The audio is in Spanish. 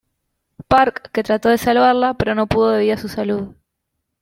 Park, que trató de salvarla, pero no pudo debido a su salud.